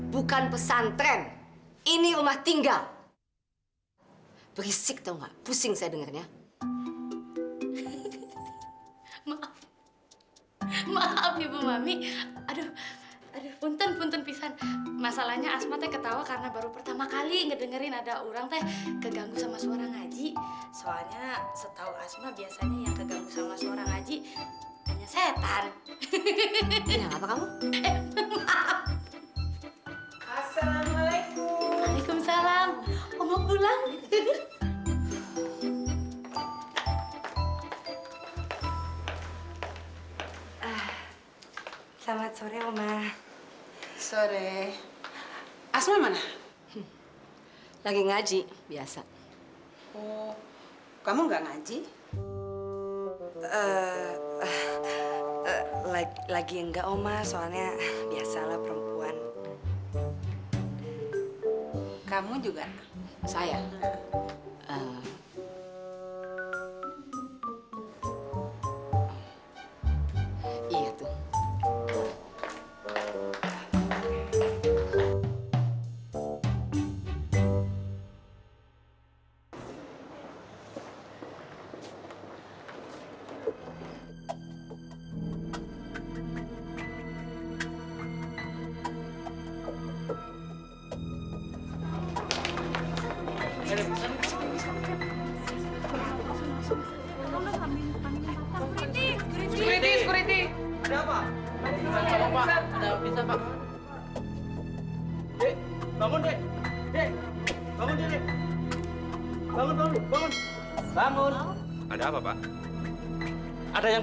beliau minta bapak untuk mempelajarinya